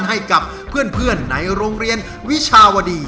ให้กับเพื่อนในโรงเรียนวิชาวดี